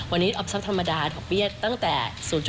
วันนี้ออฟธรรมดาดอกเบี้ยตั้งแต่๐๘